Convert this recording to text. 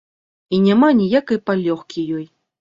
І няма ніякай палёгкі ёй.